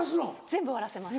全部終わらせます。